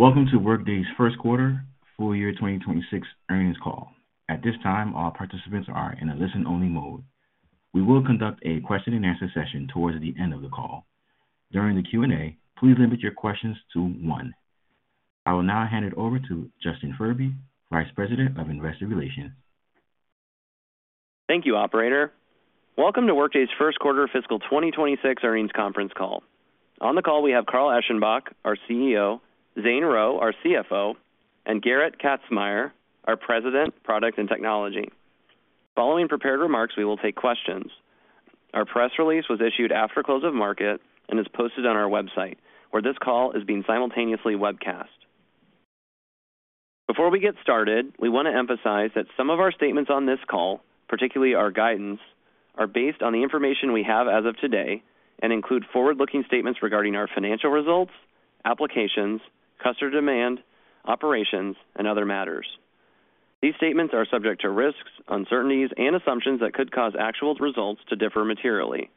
Welcome to Workday's First Quarter, Full Year 2026 Earnings Call. At this time, all participants are in a listen-only mode. We will conduct a question-and-answer session towards the end of the call. During the Q&A, please limit your questions to one. I will now hand it over to Justin Furby, Vice President of Investor Relations. Thank you, Operator. Welcome to Workday's first quarter fiscal 2026 earnings conference call. On the call, we have Carl Eschenbach, our CEO; Zane Rowe, our CFO; and Gerrit Kazmaier, our President, Product and Technology. Following prepared remarks, we will take questions. Our press release was issued after close of market and is posted on our website, where this call is being simultaneously webcast. Before we get started, we want to emphasize that some of our statements on this call, particularly our guidance, are based on the information we have as of today and include forward-looking statements regarding our financial results, applications, customer demand, operations, and other matters. These statements are subject to risks, uncertainties, and assumptions that could cause actual results to differ materially.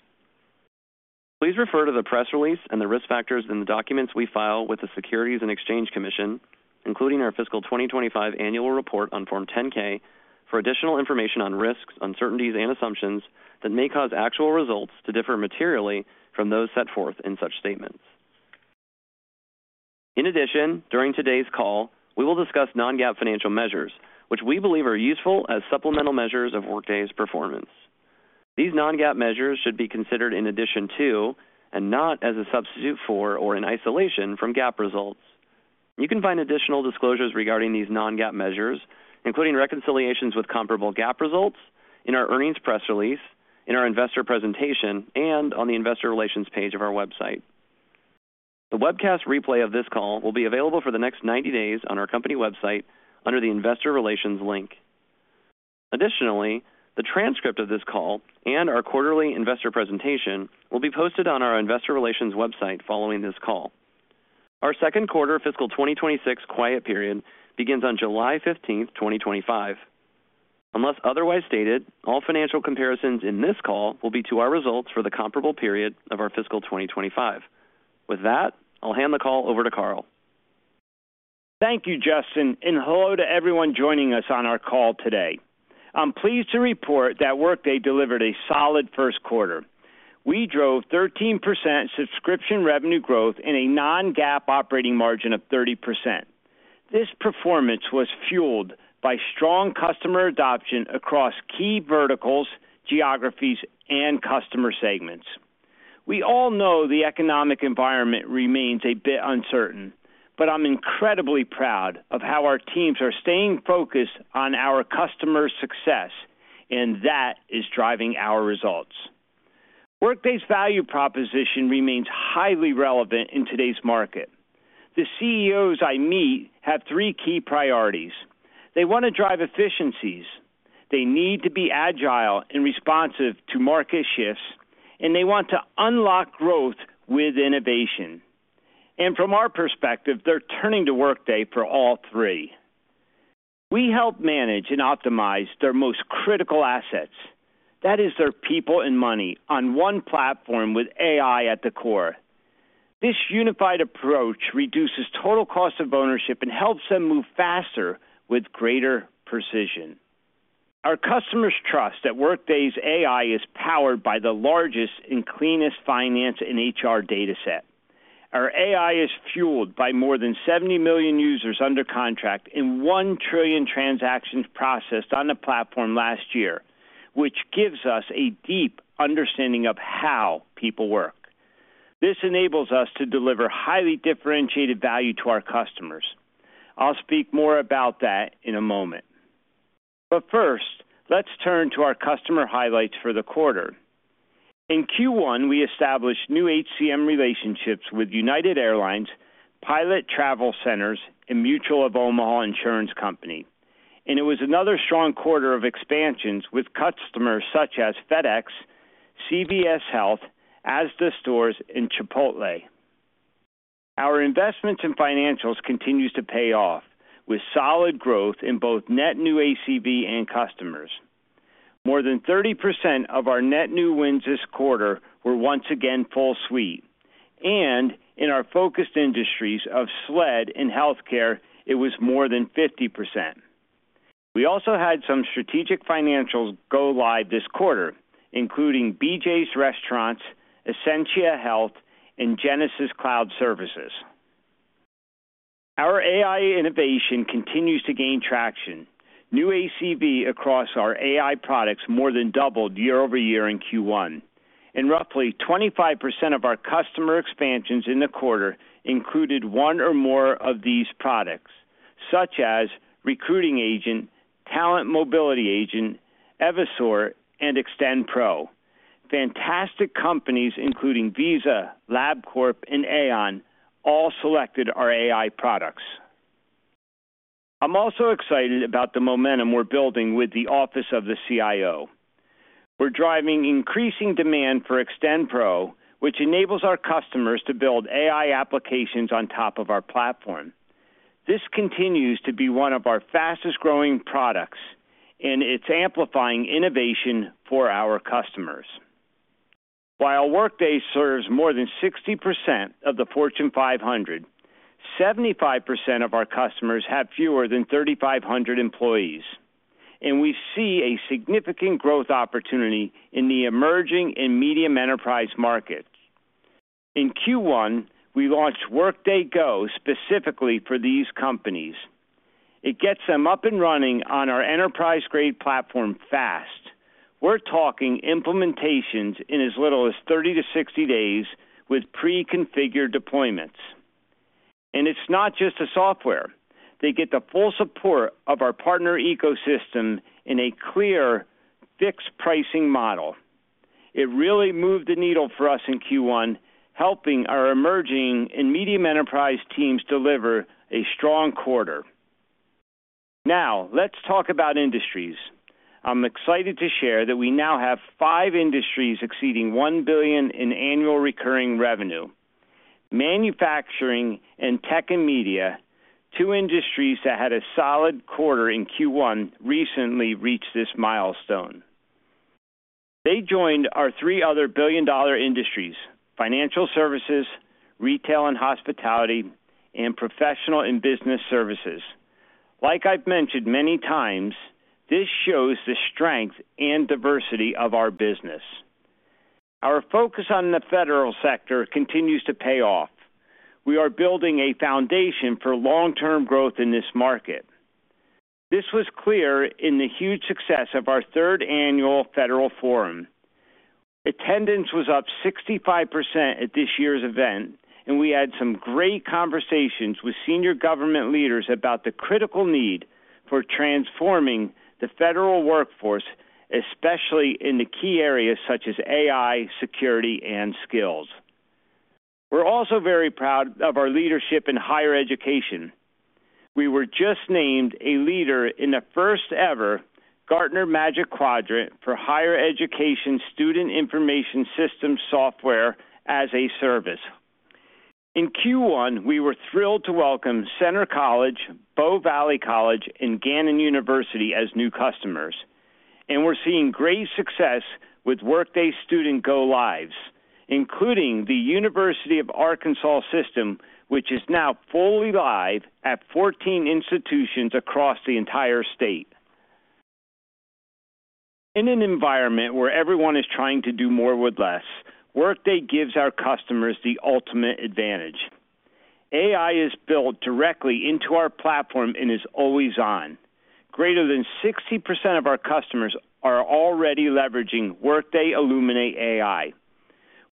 Please refer to the press release and the risk factors in the documents we file with the Securities and Exchange Commission, including our fiscal 2025 annual report on Form 10-K, for additional information on risks, uncertainties, and assumptions that may cause actual results to differ materially from those set forth in such statements. In addition, during today's call, we will discuss non-GAAP financial measures, which we believe are useful as supplemental measures of Workday's performance. These non-GAAP measures should be considered in addition to and not as a substitute for or in isolation from GAAP results. You can find additional disclosures regarding these non-GAAP measures, including reconciliations with comparable GAAP results, in our earnings press release, in our investor presentation, and on the investor relations page of our website. The webcast replay of this call will be available for the next 90 days on our company website under the investor relations link. Additionally, the transcript of this call and our quarterly investor presentation will be posted on our investor relations website following this call. Our second quarter fiscal 2026 quiet period begins on July 15th, 2025. Unless otherwise stated, all financial comparisons in this call will be to our results for the comparable period of our fiscal 2025. With that, I'll hand the call over to Carl. Thank you, Justin, and hello to everyone joining us on our call today. I'm pleased to report that Workday delivered a solid first quarter. We drove 13% subscription revenue growth and a non-GAAP operating margin of 30%. This performance was fueled by strong customer adoption across key verticals, geographies, and customer segments. We all know the economic environment remains a bit uncertain, but I'm incredibly proud of how our teams are staying focused on our customer success, and that is driving our results. Workday's value proposition remains highly relevant in today's market. The CEOs I meet have three key priorities. They want to drive efficiencies. They need to be agile and responsive to market shifts, and they want to unlock growth with innovation. From our perspective, they're turning to Workday for all three. We help manage and optimize their most critical assets. That is their people and money on one platform with AI at the core. This unified approach reduces total cost of ownership and helps them move faster with greater precision. Our customers trust that Workday's AI is powered by the largest and cleanest finance and HR data set. Our AI is fueled by more than 70 million users under contract and 1 trillion transactions processed on the platform last year, which gives us a deep understanding of how people work. This enables us to deliver highly differentiated value to our customers. I'll speak more about that in a moment. First, let's turn to our customer highlights for the quarter. In Q1, we established new HCM relationships with United Airlines, Pilot Travel Centers, and Mutual of Omaha Insurance Company. It was another strong quarter of expansions with customers such as FedEx, CVS Health, ASDA Stores, and Chipotle. Our investments in financials continue to pay off, with solid growth in both net new ACV and customers. More than 30% of our net new wins this quarter were once again full sweep. In our focused industries of SLED and healthcare, it was more than 50%. We also had some strategic financials go live this quarter, including BJ's Restaurants, Essentia Health, and Genesis Cloud Services. Our AI innovation continues to gain traction. New ACV across our AI products more than doubled year over year in Q1. Roughly 25% of our customer expansions in the quarter included one or more of these products, such as Recruiting Agent, Talent Mobility Agent, Evisort, and Extend Pro. Fantastic companies including Visa, LabCorp, and Aeon all selected our AI products. I'm also excited about the momentum we're building with the Office of the CIO. We're driving increasing demand for Extend Pro, which enables our customers to build AI applications on top of our platform. This continues to be one of our fastest-growing products, and it's amplifying innovation for our customers. While Workday serves more than 60% of the Fortune 500, 75% of our customers have fewer than 3,500 employees. We see a significant growth opportunity in the emerging and medium enterprise markets. In Q1, we launched Workday Go specifically for these companies. It gets them up and running on our enterprise-grade platform fast. We're talking implementations in as little as 30-60 days with pre-configured deployments. It's not just the software. They get the full support of our partner ecosystem in a clear, fixed pricing model. It really moved the needle for us in Q1, helping our emerging and medium enterprise teams deliver a strong quarter. Now, let's talk about industries. I'm excited to share that we now have five industries exceeding $1 billion in annual recurring revenue. Manufacturing and tech and media, two industries that had a solid quarter in Q1, recently reached this milestone. They joined our three other billion-dollar industries: financial services, retail and hospitality, and professional and business services. Like I've mentioned many times, this shows the strength and diversity of our business. Our focus on the federal sector continues to pay off. We are building a foundation for long-term growth in this market. This was clear in the huge success of our third annual federal forum. Attendance was up 65% at this year's event, and we had some great conversations with senior government leaders about the critical need for transforming the federal workforce, especially in the key areas such as AI, security, and skills. We're also very proud of our leadership in higher education. We were just named a leader in the first-ever Gartner Magic Quadrant for Higher Education Student Information Systems Software as a Service. In Q1, we were thrilled to welcome Centre College, Bow Valley College, and Gannon University as new customers. We are seeing great success with Workday Student go-lives, including the University of Arkansas system, which is now fully live at 14 institutions across the entire state. In an environment where everyone is trying to do more with less, Workday gives our customers the ultimate advantage. AI is built directly into our platform and is always on. Greater than 60% of our customers are already leveraging Workday Illuminate AI.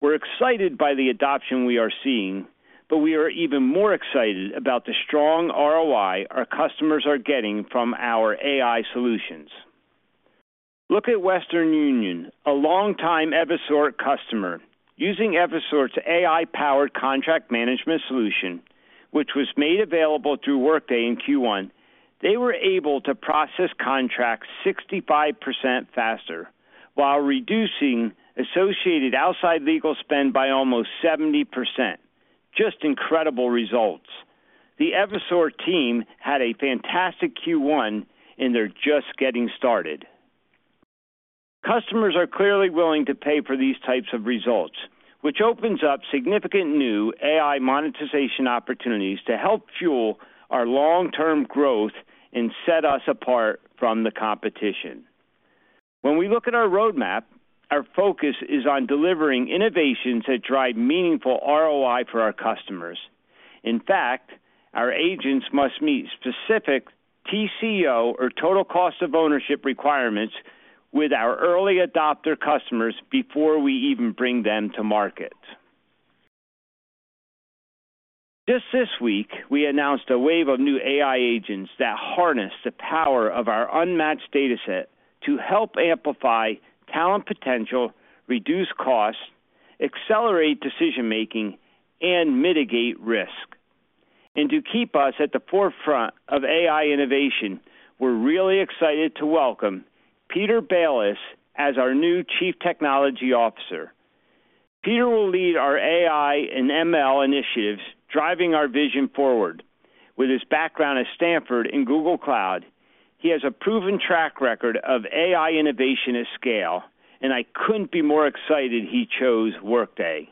We are excited by the adoption we are seeing, but we are even more excited about the strong ROI our customers are getting from our AI solutions. Look at Western Union, a longtime Evisort customer. Using Evisort's AI-powered contract management solution, which was made available through Workday in Q1, they were able to process contracts 65% faster while reducing associated outside legal spend by almost 70%. Just incredible results. The Evisort team had a fantastic Q1, and they're just getting started. Customers are clearly willing to pay for these types of results, which opens up significant new AI monetization opportunities to help fuel our long-term growth and set us apart from the competition. When we look at our roadmap, our focus is on delivering innovations that drive meaningful ROI for our customers. In fact, our agents must meet specific TCO, or total cost of ownership, requirements with our early adopter customers before we even bring them to market. Just this week, we announced a wave of new AI agents that harness the power of our unmatched data set to help amplify talent potential, reduce costs, accelerate decision-making, and mitigate risk. To keep us at the forefront of AI innovation, we're really excited to welcome Peter Bailis as our new Chief Technology Officer. Peter will lead our AI and ML initiatives, driving our vision forward. With his background at Stanford and Google Cloud, he has a proven track record of AI innovation at scale, and I could not be more excited he chose Workday.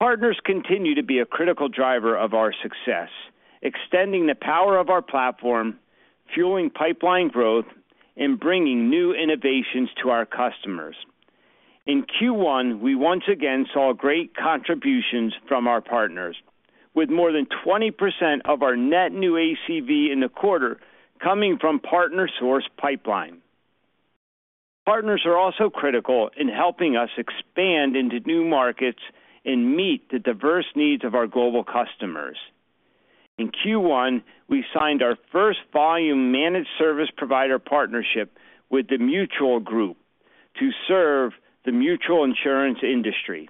Partners continue to be a critical driver of our success, extending the power of our platform, fueling pipeline growth, and bringing new innovations to our customers. In Q1, we once again saw great contributions from our partners, with more than 20% of our net new ACV in the quarter coming from partner-sourced pipeline. Partners are also critical in helping us expand into new markets and meet the diverse needs of our global customers. In Q1, we signed our first volume managed service provider partnership with the Mutual Group to serve the mutual insurance industry.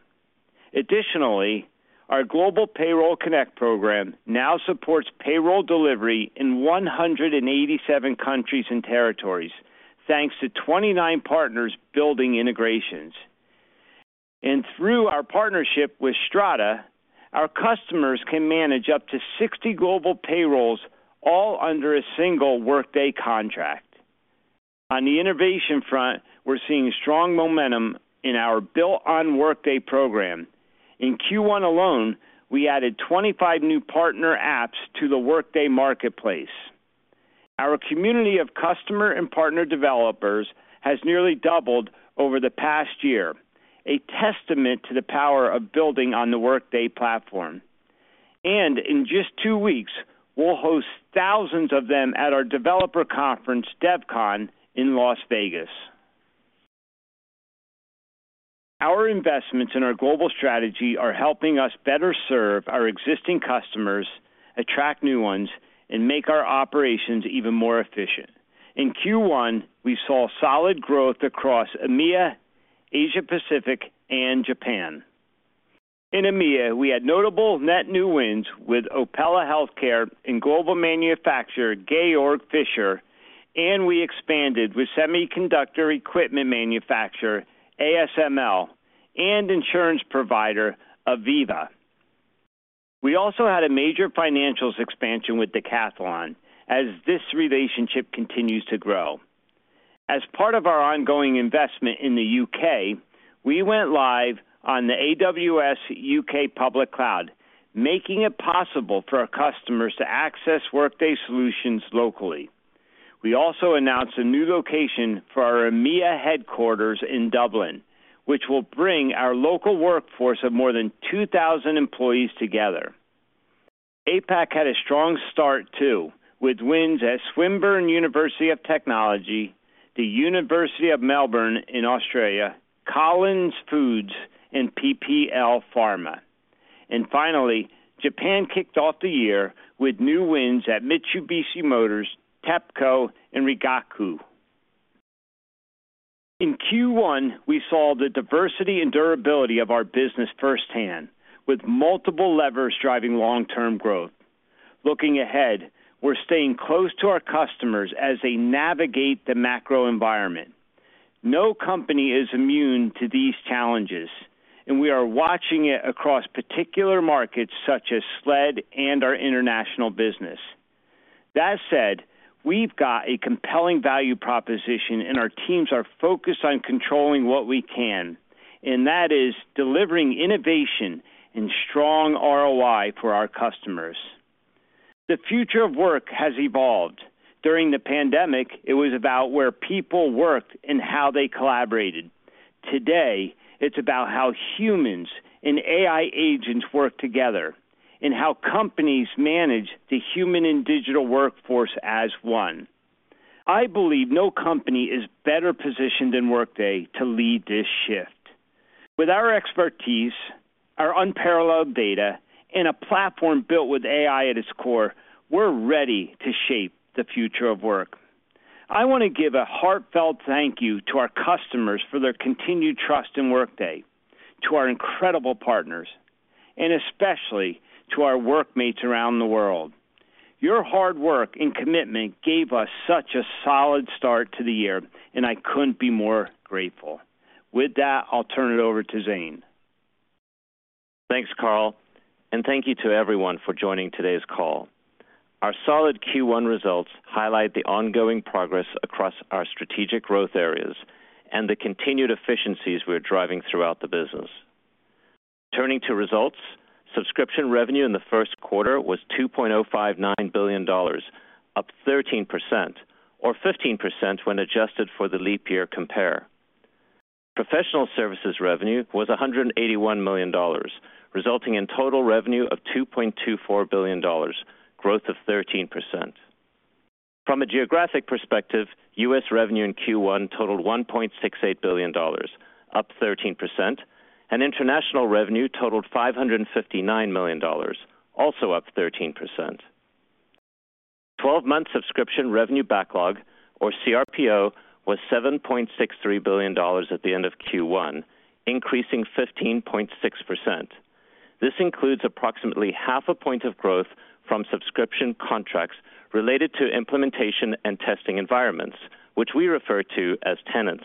Additionally, our Global Payroll Connect program now supports payroll delivery in 187 countries and territories, thanks to 29 partners building integrations. Through our partnership with Strada, our customers can manage up to 60 global payrolls all under a single Workday contract. On the innovation front, we're seeing strong momentum in our built-on Workday program. In Q1 alone, we added 25 new partner apps to the Workday marketplace. Our community of customer and partner developers has nearly doubled over the past year, a testament to the power of building on the Workday platform. In just two weeks, we'll host thousands of them at our developer conference, DevCon, in Las Vegas. Our investments in our global strategy are helping us better serve our existing customers, attract new ones, and make our operations even more efficient. In Q1, we saw solid growth across EMEA, Asia-Pacific, and Japan. In EMEA, we had notable net new wins with Opella Healthcare and global manufacturer Georg Fischer, and we expanded with semiconductor equipment manufacturer ASML and insurance provider Aviva. We also had a major financials expansion with Decathlon as this relationship continues to grow. As part of our ongoing investment in the U.K., we went live on the AWS U.K. public cloud, making it possible for our customers to access Workday solutions locally. We also announced a new location for our EMEA headquarters in Dublin, which will bring our local workforce of more than 2,000 employees together. APAC had a strong start too, with wins at Swinburne University of Technology, the University of Melbourne in Australia, Collins Foods, and PPL Pharma. Finally, Japan kicked off the year with new wins at Mitsubishi Motors, TEPCO, and Rigaku. In Q1, we saw the diversity and durability of our business firsthand, with multiple levers driving long-term growth. Looking ahead, we're staying close to our customers as they navigate the macro environment. No company is immune to these challenges, and we are watching it across particular markets such as SLED and our international business. That said, we've got a compelling value proposition, and our teams are focused on controlling what we can, and that is delivering innovation and strong ROI for our customers. The future of work has evolved. During the pandemic, it was about where people worked and how they collaborated. Today, it's about how humans and AI agents work together and how companies manage the human and digital workforce as one. I believe no company is better positioned than Workday to lead this shift. With our expertise, our unparalleled data, and a platform built with AI at its core, we're ready to shape the future of work. I want to give a heartfelt thank you to our customers for their continued trust in Workday, to our incredible partners, and especially to our workmates around the world. Your hard work and commitment gave us such a solid start to the year, and I couldn't be more grateful. With that, I'll turn it over to Zane. Thanks, Carl, and thank you to everyone for joining today's call. Our solid Q1 results highlight the ongoing progress across our strategic growth areas and the continued efficiencies we're driving throughout the business. Turning to results, subscription revenue in the first quarter was $2.059 billion, up 13%, or 15% when adjusted for the leap year compare. Professional services revenue was $181 million, resulting in total revenue of $2.24 billion, growth of 13%. From a geographic perspective, U.S. revenue in Q1 totaled $1.68 billion, up 13%, and international revenue totaled $559 million, also up 13%. The 12-month subscription revenue backlog, or cRPO, was $7.63 billion at the end of Q1, increasing 15.6%. This includes approximately half a point of growth from subscription contracts related to implementation and testing environments, which we refer to as tenants.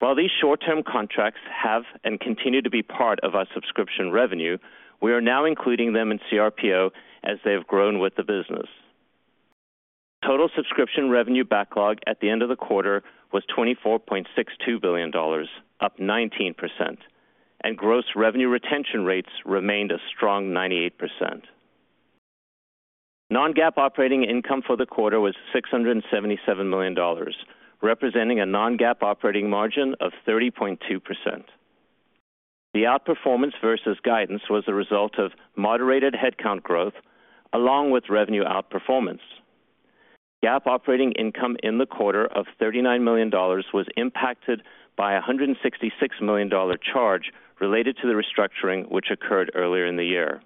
While these short-term contracts have and continue to be part of our subscription revenue, we are now including them in cRPO as they have grown with the business. Total subscription revenue backlog at the end of the quarter was $24.62 billion, up 19%, and gross revenue retention rates remained a strong 98%. Non-GAAP operating income for the quarter was $677 million, representing a non-GAAP operating margin of 30.2%. The outperformance versus guidance was the result of moderated headcount growth, along with revenue outperformance. GAAP operating income in the quarter of $39 million was impacted by a $166 million charge related to the restructuring which occurred earlier in the year.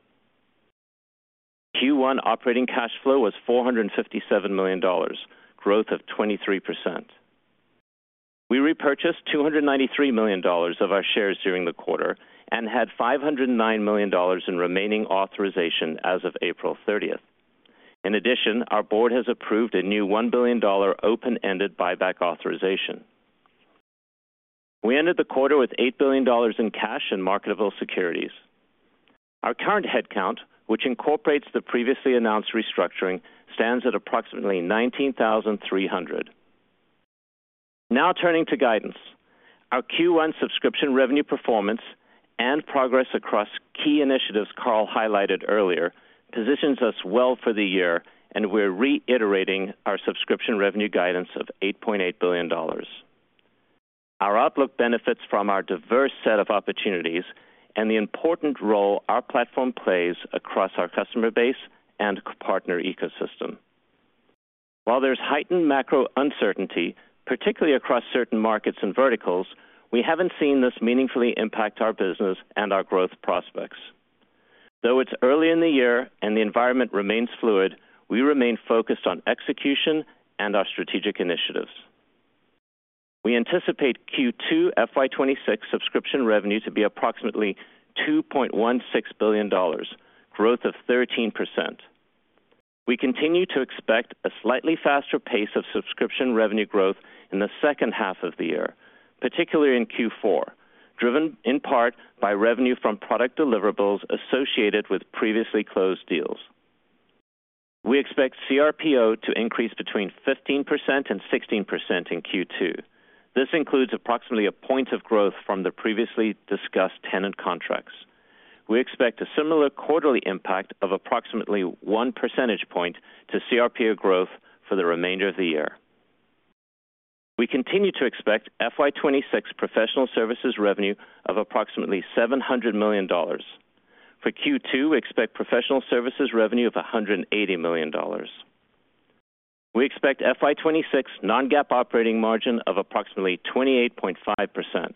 Q1 operating cash flow was $457 million, growth of 23%. We repurchased $293 million of our shares during the quarter and had $509 million in remaining authorization as of April 30. In addition, our board has approved a new $1 billion open-ended buyback authorization. We ended the quarter with $8 billion in cash and marketable securities. Our current headcount, which incorporates the previously announced restructuring, stands at approximately 19,300. Now turning to guidance, our Q1 subscription revenue performance and progress across key initiatives Carl highlighted earlier positions us well for the year, and we're reiterating our subscription revenue guidance of $8.8 billion. Our outlook benefits from our diverse set of opportunities and the important role our platform plays across our customer base and partner ecosystem. While there's heightened macro uncertainty, particularly across certain markets and verticals, we haven't seen this meaningfully impact our business and our growth prospects. Though it's early in the year and the environment remains fluid, we remain focused on execution and our strategic initiatives. We anticipate Q2 FY 2026 subscription revenue to be approximately $2.16 billion, growth of 13%. We continue to expect a slightly faster pace of subscription revenue growth in the second half of the year, particularly in Q4, driven in part by revenue from product deliverables associated with previously closed deals. We expect cRPO to increase between 15% and 16% in Q2. This includes approximately a point of growth from the previously discussed tenant contracts. We expect a similar quarterly impact of approximately one percentage point to cRPO growth for the remainder of the year. We continue to expect FY 2026 professional services revenue of approximately $700 million. For Q2, we expect professional services revenue of $180 million. We expect FY 2026 non-GAAP operating margin of approximately 28.5%.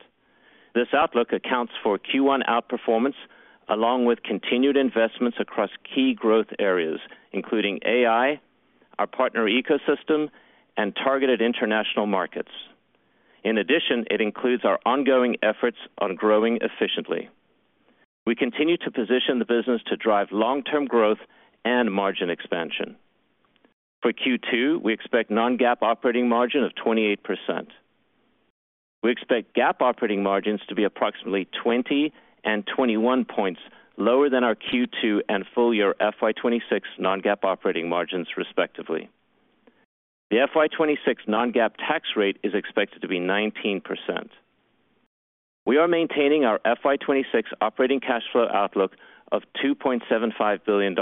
This outlook accounts for Q1 outperformance along with continued investments across key growth areas, including AI, our partner ecosystem, and targeted international markets. In addition, it includes our ongoing efforts on growing efficiently. We continue to position the business to drive long-term growth and margin expansion. For Q2, we expect non-GAAP operating margin of 28%. We expect GAAP operating margins to be approximately 20 and 21 points lower than our Q2 and full year FY 2026 non-GAAP operating margins, respectively. The FY 2026 non-GAAP tax rate is expected to be 19%. We are maintaining our FY 2026 operating cash flow outlook of $2.75 billion,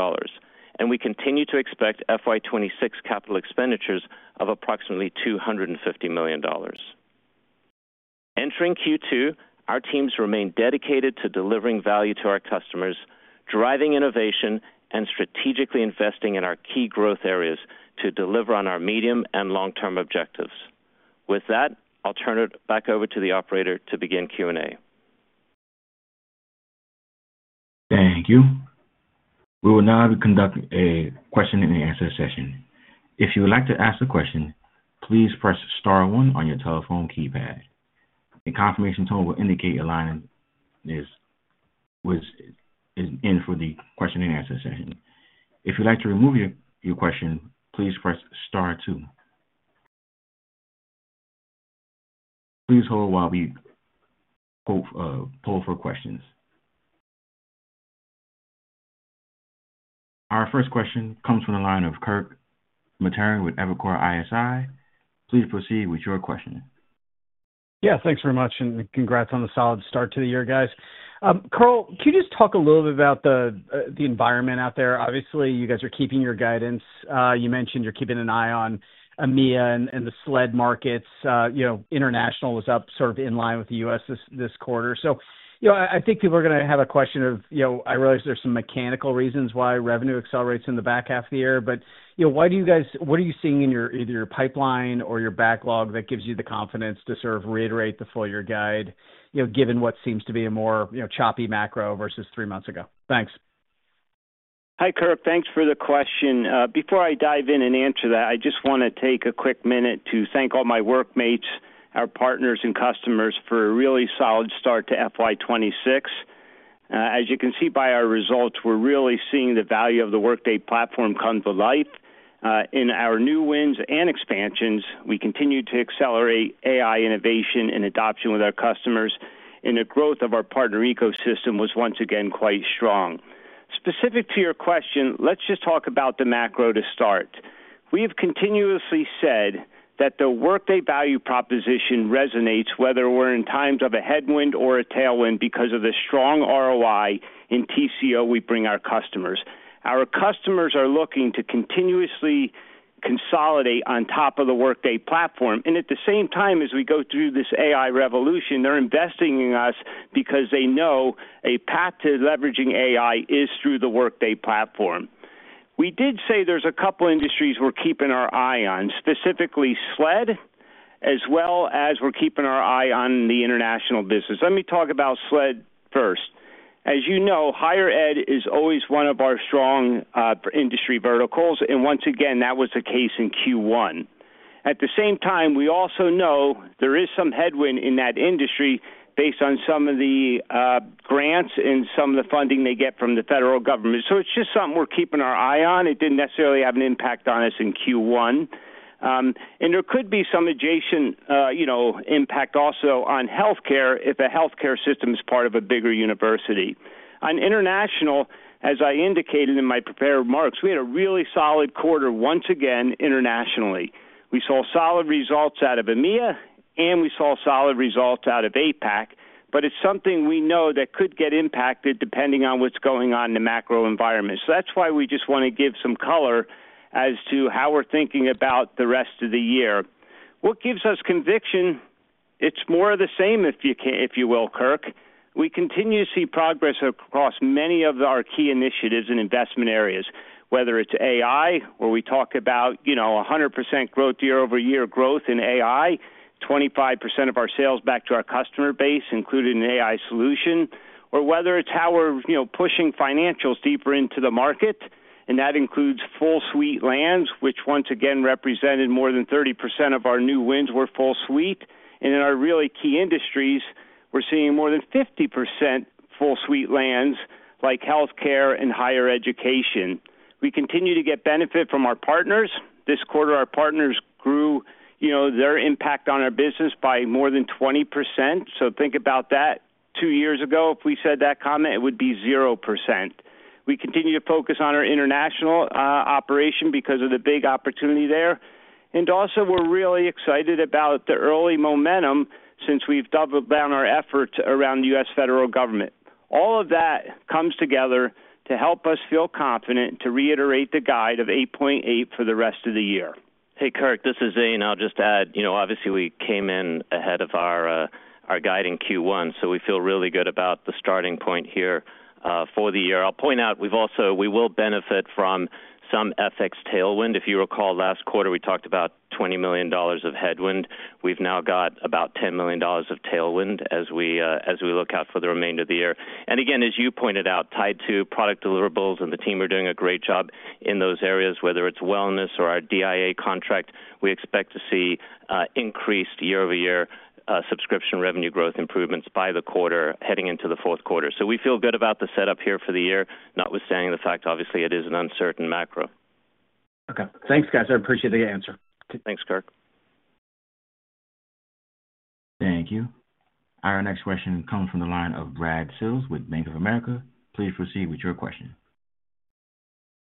and we continue to expect FY 2026 capital expenditures of approximately $250 million. Entering Q2, our teams remain dedicated to delivering value to our customers, driving innovation, and strategically investing in our key growth areas to deliver on our medium and long-term objectives. With that, I'll turn it back over to the operator to begin Q&A. Thank you. We will now be conducting a question and answer session. If you would like to ask a question, please press star one on your telephone keypad. A confirmation tone will indicate alignment is in for the question and answer session. If you'd like to remove your question, please press star two. Please hold while we pull for questions. Our first question comes from the line of Kirk Materne with Evercore ISI. Please proceed with your question. Yeah, thanks very much, and congrats on the solid start to the year, guys. Carl, can you just talk a little bit about the environment out there? Obviously, you guys are keeping your guidance. You mentioned you're keeping an eye on EMEA and the sled markets. International is up sort of in line with the U.S. this quarter. I think people are going to have a question of, "I realize there's some mechanical reasons why revenue accelerates in the back half of the year, but why do you guys—what are you seeing in either your pipeline or your backlog that gives you the confidence to sort of reiterate the full year guide, given what seems to be a more choppy macro versus three months ago?" Thanks. Hi, Kirk. Thanks for the question. Before I dive in and answer that, I just want to take a quick minute to thank all my workmates, our partners, and customers for a really solid start to FY 2026. As you can see by our results, we're really seeing the value of the Workday platform come to life. In our new wins and expansions, we continue to accelerate AI innovation and adoption with our customers, and the growth of our partner ecosystem was once again quite strong. Specific to your question, let's just talk about the macro to start. We have continuously said that the Workday value proposition resonates, whether we're in times of a headwind or a tailwind, because of the strong ROI and TCO we bring our customers. Our customers are looking to continuously consolidate on top of the Workday platform, and at the same time as we go through this AI revolution, they're investing in us because they know a path to leveraging AI is through the Workday platform. We did say there's a couple of industries we're keeping our eye on, specifically SLED, as well as we're keeping our eye on the international business. Let me talk about SLED first. As you know, higher ed is always one of our strong industry verticals, and once again, that was the case in Q1. At the same time, we also know there is some headwind in that industry based on some of the grants and some of the funding they get from the federal government. It is just something we're keeping our eye on. It did not necessarily have an impact on us in Q1, and there could be some adjacent impact also on healthcare if a healthcare system is part of a bigger university. On international, as I indicated in my prepared remarks, we had a really solid quarter once again internationally. We saw solid results out of EMEA, and we saw solid results out of APAC, but it is something we know that could get impacted depending on what is going on in the macro environment. That is why we just want to give some color as to how we are thinking about the rest of the year. What gives us conviction? It is more of the same, if you will, Kirk. We continue to see progress across many of our key initiatives and investment areas, whether it is AI, where we talk about 100% year-over-year growth in AI, 25% of our sales back to our customer base, including an AI solution, or whether it is how we are pushing financials deeper into the market, and that includes full suite lands, which once again represented more than 30% of our new wins were full suite. In our really key industries, we are seeing more than 50% full suite lands like healthcare and higher education. We continue to get benefit from our partners. This quarter, our partners grew their impact on our business by more than 20%. Think about that. Two years ago, if we said that comment, it would be 0%. We continue to focus on our international operation because of the big opportunity there. Also, we're really excited about the early momentum since we've doubled down our efforts around the U.S. federal government. All of that comes together to help us feel confident to reiterate the guide of 8.8% for the rest of the year. Hey, Kirk, this is Zane. I'll just add, obviously, we came in ahead of our guide in Q1, so we feel really good about the starting point here for the year. I'll point out we will benefit from some FX tailwind. If you recall, last quarter, we talked about $20 million of headwind. We've now got about $10 million of tailwind as we look out for the remainder of the year. Again, as you pointed out, tied to product deliverables, and the team are doing a great job in those areas, whether it's wellness or our DIA contract, we expect to see increased year-over-year subscription revenue growth improvements by the quarter heading into the fourth quarter. We feel good about the setup here for the year, notwithstanding the fact, obviously, it is an uncertain macro. Okay. Thanks, guys. I appreciate the answer. Thanks, Kirk. Thank you. Our next question comes from the line of Brad Sills with Bank of America. Please proceed with your question.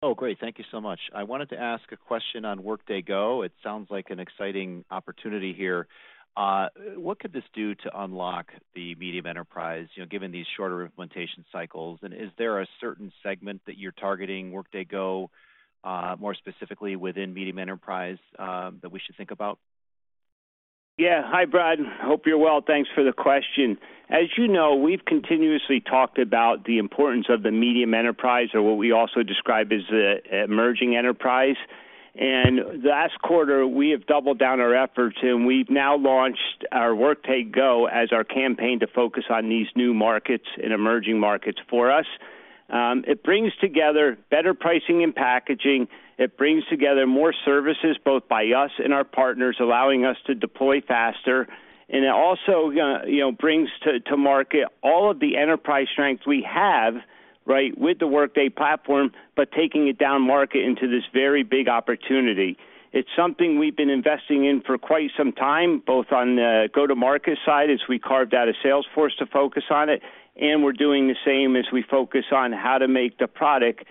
Oh, great. Thank you so much. I wanted to ask a question on Workday Go. It sounds like an exciting opportunity here. What could this do to unlock the medium enterprise given these shorter implementation cycles? Is there a certain segment that you're targeting, Workday Go, more specifically within medium enterprise, that we should think about? Yeah. Hi, Brad. Hope you're well. Thanks for the question. As you know, we've continuously talked about the importance of the medium enterprise or what we also describe as the emerging enterprise. Last quarter, we have doubled down our efforts, and we've now launched our Workday Go as our campaign to focus on these new markets and emerging markets for us. It brings together better pricing and packaging. It brings together more services both by us and our partners, allowing us to deploy faster. It also brings to market all of the enterprise strength we have with the Workday platform, but taking it down market into this very big opportunity. It's something we've been investing in for quite some time, both on the go-to-market side as we carved out a sales force to focus on it, and we're doing the same as we focus on how to make the product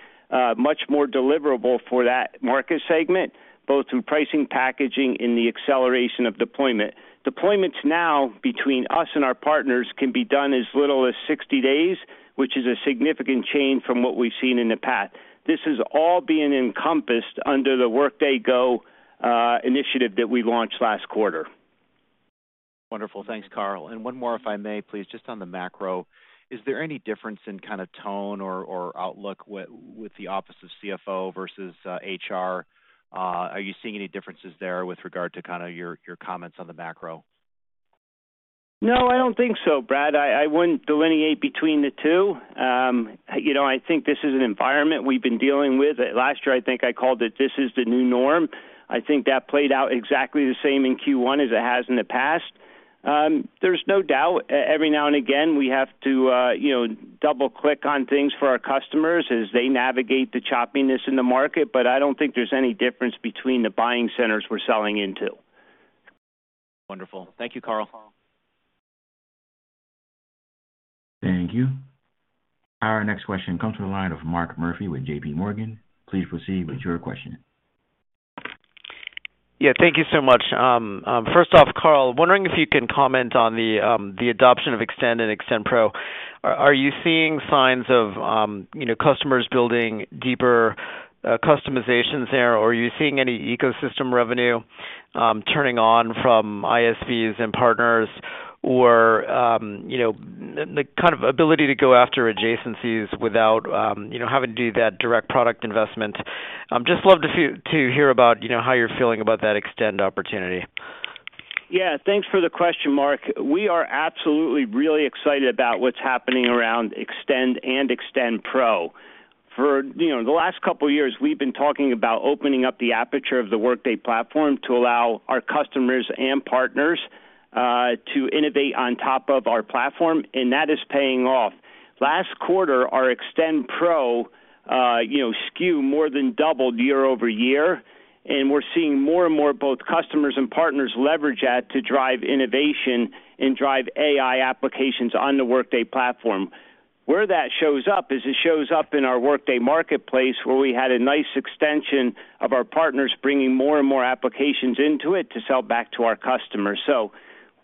much more deliverable for that market segment, both through pricing, packaging, and the acceleration of deployment. Deployments now between us and our partners can be done in as little as 60 days, which is a significant change from what we've seen in the past. This is all being encompassed under the Workday Go initiative that we launched last quarter. Wonderful. Thanks, Carl. One more, if I may, please, just on the macro. Is there any difference in kind of tone or outlook with the office of CFO versus HR? Are you seeing any differences there with regard to kind of your comments on the macro? No, I don't think so, Brad. I wouldn't delineate between the two. I think this is an environment we've been dealing with. Last year, I think I called it, "This is the new norm." I think that played out exactly the same in Q1 as it has in the past. There's no doubt every now and again we have to double-click on things for our customers as they navigate the choppiness in the market, but I don't think there's any difference between the buying centers we're selling into. Wonderful. Thank you, Carl. Thank you. Our next question comes from the line of Mark Murphy with JP Morgan. Please proceed with your question. Yeah, thank you so much. First off, Carl, wondering if you can comment on the adoption of Extend and Extend Pro. Are you seeing signs of customers building deeper customizations there, or are you seeing any ecosystem revenue turning on from ISVs and partners, or the kind of ability to go after adjacencies without having to do that direct product investment? Just love to hear about how you're feeling about that Extend opportunity. Yeah, thanks for the question, Mark. We are absolutely really excited about what's happening around Extend and Extend Pro. For the last couple of years, we've been talking about opening up the aperture of the Workday platform to allow our customers and partners to innovate on top of our platform, and that is paying off. Last quarter, our Extend Pro SKU more than doubled year-over-year, and we're seeing more and more both customers and partners leverage that to drive innovation and drive AI applications on the Workday platform. Where that shows up is it shows up in our Workday marketplace where we had a nice extension of our partners bringing more and more applications into it to sell back to our customers.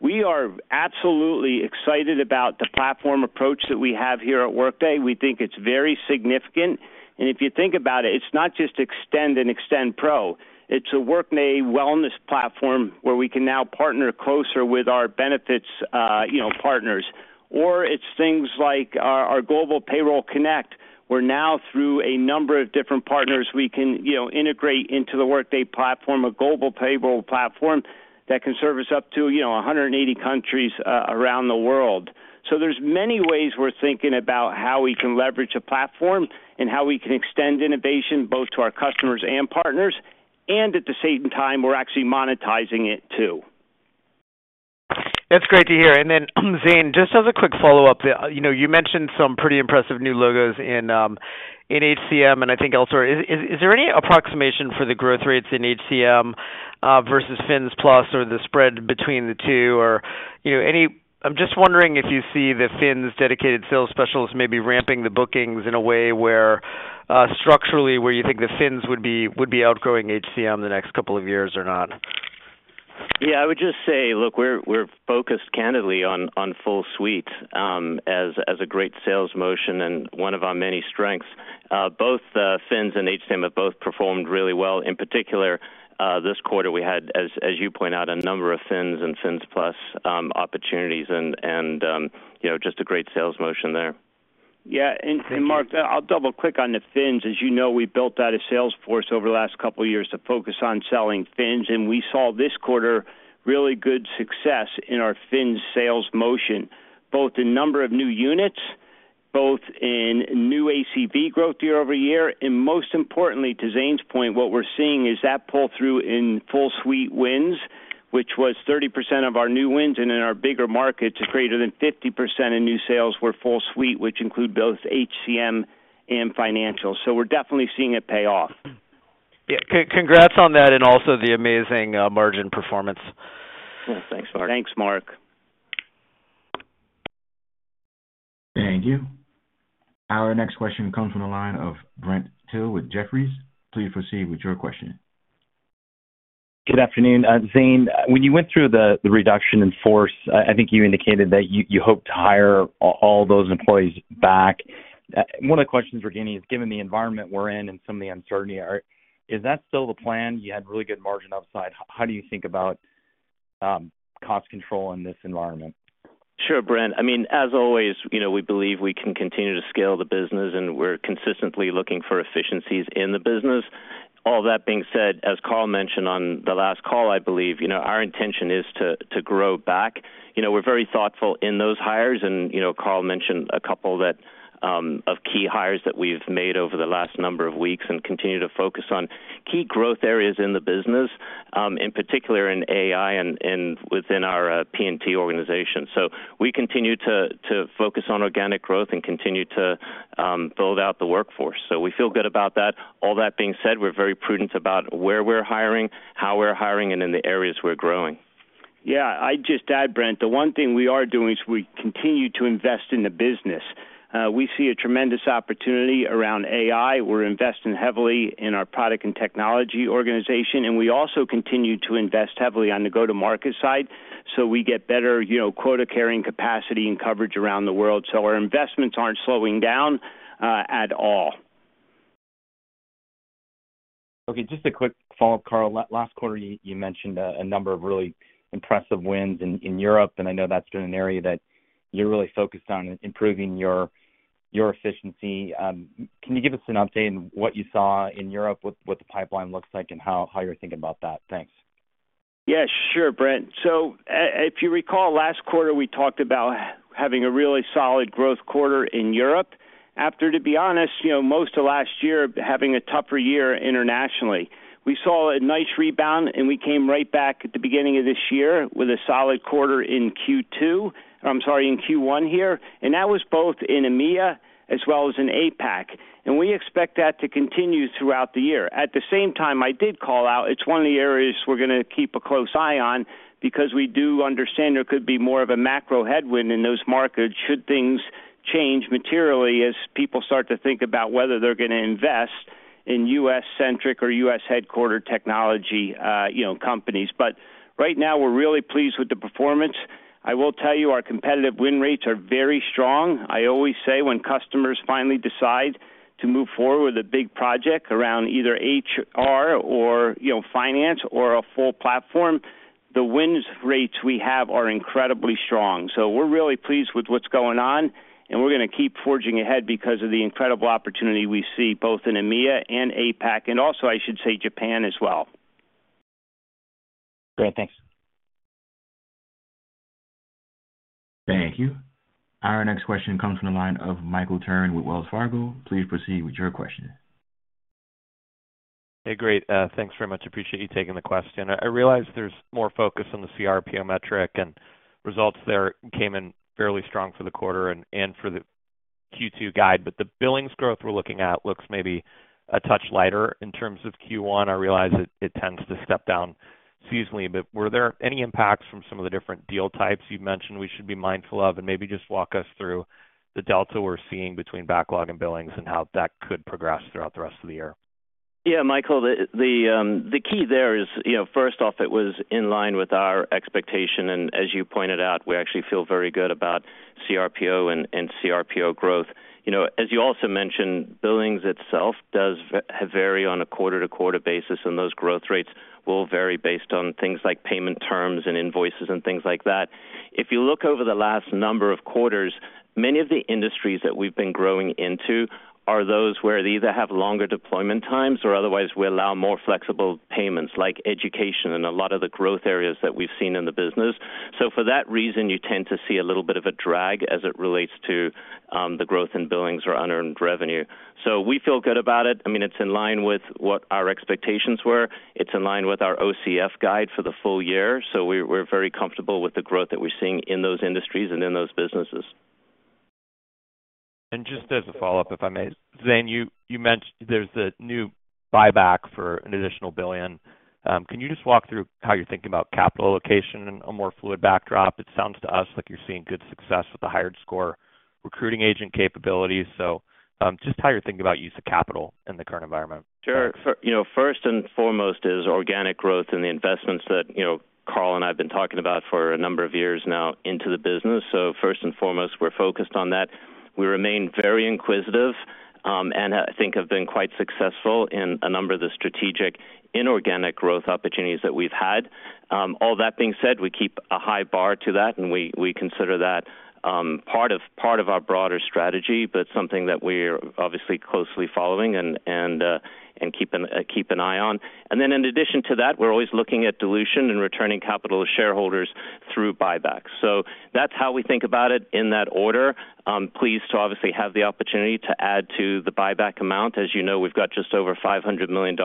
We are absolutely excited about the platform approach that we have here at Workday. We think it's very significant. If you think about it, it's not just Extend and Extend Pro. It's a Workday Wellness platform where we can now partner closer with our benefits partners. It's things like our Global Payroll Connect. We're now, through a number of different partners, able to integrate into the Workday platform a global payroll platform that can service up to 180 countries around the world. There are many ways we're thinking about how we can leverage a platform and how we can extend innovation both to our customers and partners, and at the same time, we're actually monetizing it too. That's great to hear. Then, Zane, just as a quick follow-up, you mentioned some pretty impressive new logos in HCM and I think elsewhere. Is there any approximation for the growth rates in HCM versus FINS+ or the spread between the two? I'm just wondering if you see the FINS dedicated sales specialists maybe ramping the bookings in a way where structurally where you think the FINS would be outgrowing HCM the next couple of years or not? Yeah, I would just say, look, we're focused candidly on full suite as a great sales motion and one of our many strengths. Both the FINS and HCM have both performed really well. In particular, this quarter, we had, as you point out, a number of FINS and FINS+ opportunities and just a great sales motion there. Yeah. And Mark, I'll double-click on the FINS. As you know, we built out a sales force over the last couple of years to focus on selling FINS, and we saw this quarter really good success in our FINS ins sales motion, both in number of new units, both in new ACV growth year-over-year, and most importantly, to Zane's point, what we're seeing is that pull-through in full suite wins, which was 30% of our new wins and in our bigger markets, greater than 50% in new sales were full suite, which include both HCM and financials. We are definitely seeing it pay off. Yeah. Congrats on that and also the amazing margin performance. Thanks, Mark. Thanks, Mark. Thank you. Our next question comes from the line of Brent Thill with Jefferies. Please proceed with your question. Good afternoon. Zane, when you went through the reduction in force, I think you indicated that you hope to hire all those employees back. One of the questions we're getting is, given the environment we're in and some of the uncertainty, is that still the plan? You had really good margin upside. How do you think about cost control in this environment? Sure, Brent. I mean, as always, we believe we can continue to scale the business, and we're consistently looking for efficiencies in the business. All that being said, as Carl mentioned on the last call, I believe our intention is to grow back. We're very thoughtful in those hires, and Carl mentioned a couple of key hires that we've made over the last number of weeks and continue to focus on key growth areas in the business, in particular in AI and within our P&T organization. We continue to focus on organic growth and continue to build out the workforce. We feel good about that. All that being said, we're very prudent about where we're hiring, how we're hiring, and in the areas we're growing. Yeah. I'd just add, Brent, the one thing we are doing is we continue to invest in the business. We see a tremendous opportunity around AI. We're investing heavily in our product and technology organization, and we also continue to invest heavily on the go-to-market side so we get better quota-carrying capacity and coverage around the world. Our investments aren't slowing down at all. Okay. Just a quick follow-up, Carl. Last quarter, you mentioned a number of really impressive wins in Europe, and I know that's been an area that you're really focused on improving your efficiency. Can you give us an update on what you saw in Europe, what the pipeline looks like, and how you're thinking about that? Thanks. Yeah. Sure, Brent. If you recall, last quarter, we talked about having a really solid growth quarter in Europe. To be honest, most of last year we had a tougher year internationally. We saw a nice rebound, and we came right back at the beginning of this year with a solid quarter in Q2, or I'm sorry, in Q1 here. That was both in EMEA as well as in APAC. We expect that to continue throughout the year. At the same time, I did call out it's one of the areas we're going to keep a close eye on because we do understand there could be more of a macro headwind in those markets should things change materially as people start to think about whether they're going to invest in U.S.-centric or U.S.-headquartered technology companies. Right now, we're really pleased with the performance. I will tell you, our competitive win rates are very strong. I always say when customers finally decide to move forward with a big project around either HR or finance or a full platform, the win rates we have are incredibly strong. We're really pleased with what's going on, and we're going to keep forging ahead because of the incredible opportunity we see both in EMEA and APAC, and also, I should say, Japan as well. Great. Thanks. Thank you. Our next question comes from the line of Michael Turrin with Wells Fargo. Please proceed with your question. Hey, great. Thanks very much. Appreciate you taking the question. I realize there's more focus on the cRPO metric, and results there came in fairly strong for the quarter and for the Q2 guide. The billings growth we're looking at looks maybe a touch lighter in terms of Q1. I realize it tends to step down seasonally, but were there any impacts from some of the different deal types you've mentioned we should be mindful of? Maybe just walk us through the delta we're seeing between backlog and billings and how that could progress throughout the rest of the year. Yeah, Michael, the key there is, first off, it was in line with our expectation. As you pointed out, we actually feel very good about cRPO and cRPO growth. As you also mentioned, billings itself does vary on a quarter-to-quarter basis, and those growth rates will vary based on things like payment terms and invoices and things like that. If you look over the last number of quarters, many of the industries that we've been growing into are those where they either have longer deployment times or otherwise we allow more flexible payments like education and a lot of the growth areas that we've seen in the business. For that reason, you tend to see a little bit of a drag as it relates to the growth in billings or unearned revenue. We feel good about it. I mean, it's in line with what our expectations were. It's in line with our OCF guide for the full year. We're very comfortable with the growth that we're seeing in those industries and in those businesses. Just as a follow-up, if I may, Zane, you mentioned there's a new buyback for an additional $1 billion. Can you just walk through how you're thinking about capital allocation and a more fluid backdrop? It sounds to us like you're seeing good success with the hired score recruiting agent capabilities. Just how you're thinking about use of capital in the current environment. Sure. First and foremost is organic growth and the investments that Carl and I have been talking about for a number of years now into the business. First and foremost, we're focused on that. We remain very inquisitive and I think have been quite successful in a number of the strategic inorganic growth opportunities that we've had. All that being said, we keep a high bar to that, and we consider that part of our broader strategy, but something that we're obviously closely following and keep an eye on. In addition to that, we're always looking at dilution and returning capital to shareholders through buybacks. That's how we think about it in that order. Pleased to obviously have the opportunity to add to the buyback amount. As you know, we've got just over $500 million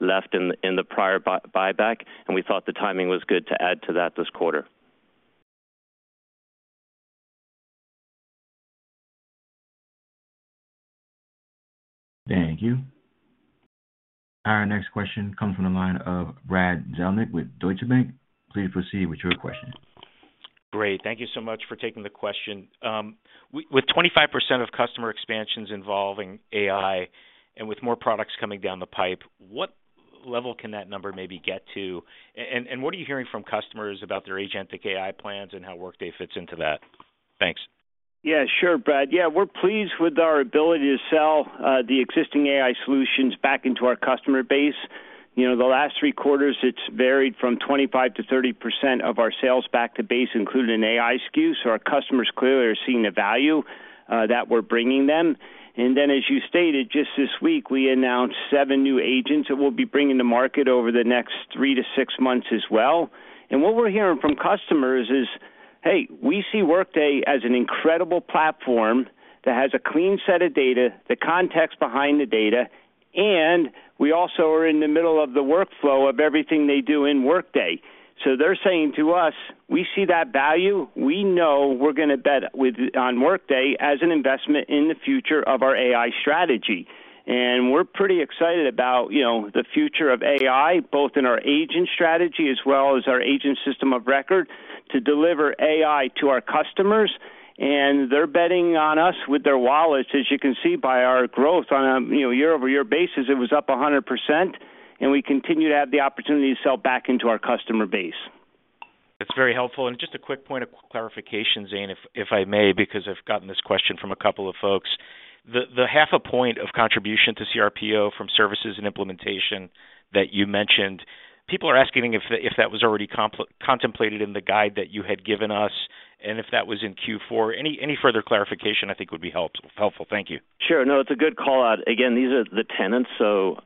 left in the prior buyback, and we thought the timing was good to add to that this quarter. Thank you. Our next question comes from the line of Brad Zelnick with Deutsche Bank. Please proceed with your question. Great. Thank you so much for taking the question. With 25% of customer expansions involving AI and with more products coming down the pipe, what level can that number maybe get to? What are you hearing from customers about their agentic AI plans and how Workday fits into that? Thanks. Yeah, sure, Brad. Yeah, we're pleased with our ability to sell the existing AI solutions back into our customer base. The last three quarters, it's varied from 25%-30% of our sales back to base, including an AI SKU. Our customers clearly are seeing the value that we're bringing them. As you stated, just this week, we announced seven new agents that we'll be bringing to market over the next three to six months as well. What we're hearing from customers is, "Hey, we see Workday as an incredible platform that has a clean set of data, the context behind the data, and we also are in the middle of the workflow of everything they do in Workday." They are saying to us, "We see that value. We know we're going to bet on Workday as an investment in the future of our AI strategy." We're pretty excited about the future of AI, both in our agent strategy as well as our agent system of record to deliver AI to our customers. They're betting on us with their wallets, as you can see by our growth on a year-over-year basis. It was up 100%, and we continue to have the opportunity to sell back into our customer base. That's very helpful. Just a quick point of clarification, Zane, if I may, because I've gotten this question from a couple of folks. The half a point of contribution to cRPO from services and implementation that you mentioned, people are asking if that was already contemplated in the guide that you had given us and if that was in Q4. Any further clarification I think would be helpful. Thank you. Sure. No, it's a good call out. Again, these are the tenants, so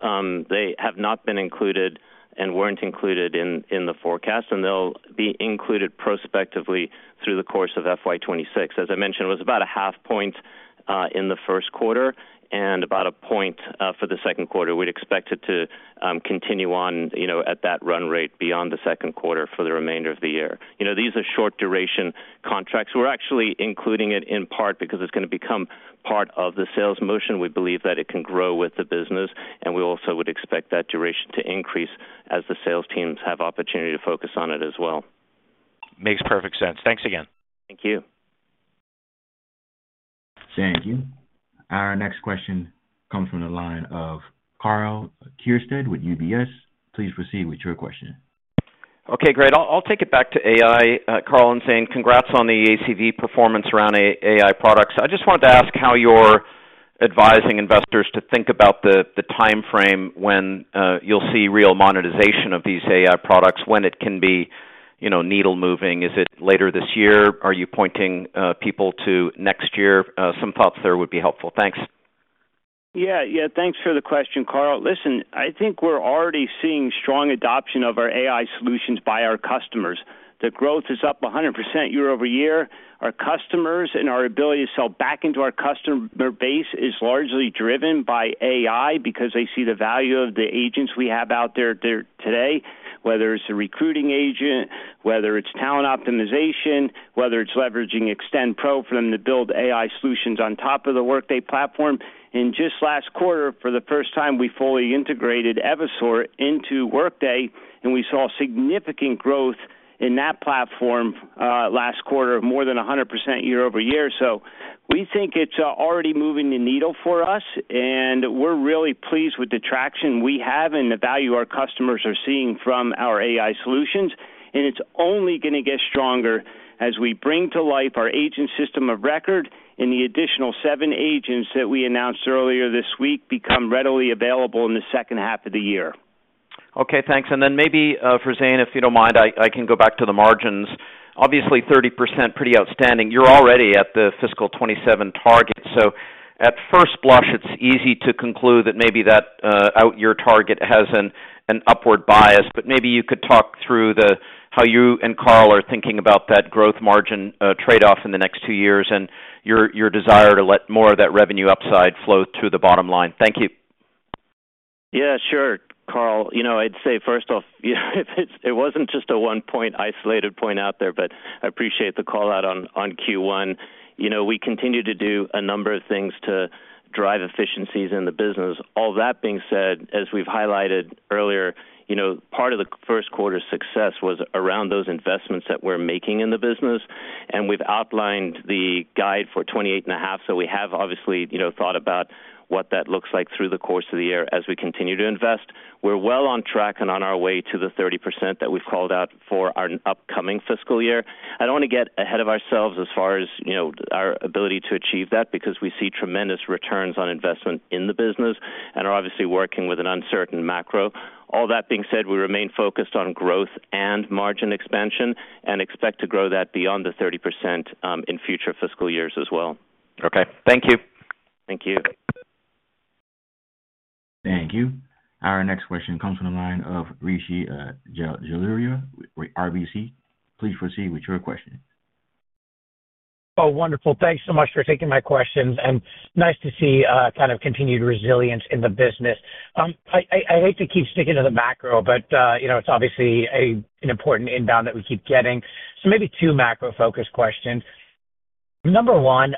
they have not been included and were not included in the forecast, and they'll be included prospectively through the course of FY 2026. As I mentioned, it was about half a point in the first quarter and about a point for the second quarter. We'd expect it to continue on at that run rate beyond the second quarter for the remainder of the year. These are short-duration contracts. We're actually including it in part because it's going to become part of the sales motion. We believe that it can grow with the business, and we also would expect that duration to increase as the sales teams have opportunity to focus on it as well. Makes perfect sense. Thanks again. Thank you. Thank you. Our next question comes from the line of Karl Keirstead with UBS. Please proceed with your question. Okay. Great. I'll take it back to AI. Carl and Zane, congrats on the ACV performance around AI products. I just wanted to ask how you're advising investors to think about the timeframe when you'll see real monetization of these AI products, when it can be needle-moving. Is it later this year? Are you pointing people to next year? Some thoughts there would be helpful. Thanks. Yeah. Thanks for the question, Karl. Listen, I think we're already seeing strong adoption of our AI solutions by our customers. The growth is up 100% year-over-year. Our customers and our ability to sell back into our customer base is largely driven by AI because they see the value of the agents we have out there today, whether it's a recruiting agent, whether it's talent optimization, whether it's leveraging Extend Pro for them to build AI solutions on top of the Workday platform. Just last quarter, for the first time, we fully integrated Evisort into Workday, and we saw significant growth in that platform last quarter, more than 100% year-over-year. We think it's already moving the needle for us, and we're really pleased with the traction we have and the value our customers are seeing from our AI solutions. It's only going to get stronger as we bring to life our agent system of record and the additional seven agents that we announced earlier this week become readily available in the second half of the year. Okay. Thanks. And then maybe for Zane, if you don't mind, I can go back to the margins. Obviously, 30%, pretty outstanding. You're already at the fiscal 2027 target. At first blush, it's easy to conclude that maybe that out-year target has an upward bias. Maybe you could talk through how you and Carl are thinking about that growth margin trade-off in the next two years and your desire to let more of that revenue upside flow through the bottom line. Thank you. Yeah. Sure, Karl. I'd say, first off, it wasn't just a one-point isolated point out there, but I appreciate the call out on Q1. We continue to do a number of things to drive efficiencies in the business. All that being said, as we've highlighted earlier, part of the first quarter's success was around those investments that we're making in the business. We have outlined the guide for 28.5%. We have obviously thought about what that looks like through the course of the year as we continue to invest. We're well on track and on our way to the 30% that we've called out for our upcoming fiscal year. I don't want to get ahead of ourselves as far as our ability to achieve that because we see tremendous returns on investment in the business and are obviously working with an uncertain macro. All that being said, we remain focused on growth and margin expansion and expect to grow that beyond the 30% in future fiscal years as well. Okay. Thank you. Thank you. Thank you. Our next question comes from the line of Rishi Jaluria, RBC. Please proceed with your question. Oh, wonderful. Thanks so much for taking my questions. And nice to see kind of continued resilience in the business. I hate to keep sticking to the macro, but it's obviously an important inbound that we keep getting. Maybe two macro-focused questions. Number one,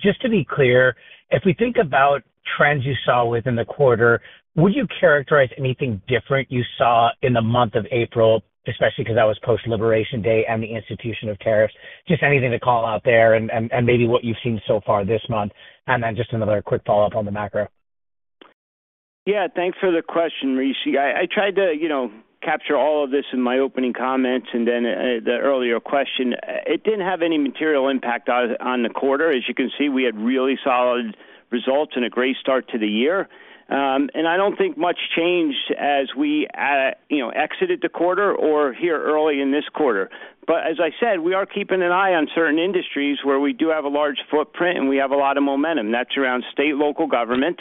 just to be clear, if we think about trends you saw within the quarter, would you characterize anything different you saw in the month of April, especially because that was post-Liberation Day and the institution of tariffs? Just anything to call out there and maybe what you've seen so far this month. Just another quick follow-up on the macro. Yeah. Thanks for the question, Rishi. I tried to capture all of this in my opening comments and then the earlier question. It didn't have any material impact on the quarter. As you can see, we had really solid results and a great start to the year. I don't think much changed as we exited the quarter or here early in this quarter. As I said, we are keeping an eye on certain industries where we do have a large footprint and we have a lot of momentum. That's around state, local government,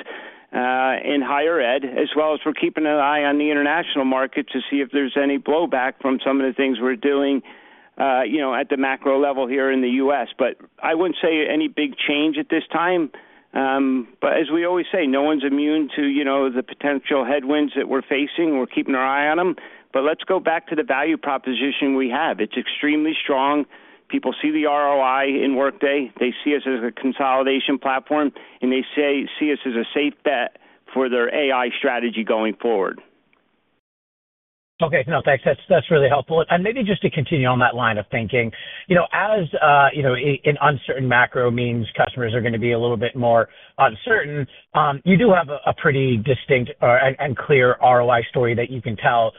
and higher ed, as well as we're keeping an eye on the international market to see if there's any blowback from some of the things we're doing at the macro level here in the U.S. I wouldn't say any big change at this time. As we always say, no one's immune to the potential headwinds that we're facing. We're keeping our eye on them. Let's go back to the value proposition we have. It's extremely strong. People see the ROI in Workday. They see us as a consolidation platform, and they see us as a safe bet for their AI strategy going forward. Okay. No, thanks. That's really helpful. Maybe just to continue on that line of thinking, as an uncertain macro means customers are going to be a little bit more uncertain, you do have a pretty distinct and clear ROI story that you can tell.